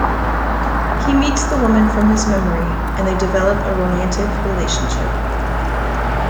He meets the woman from his memory, and they develop a romantic relationship.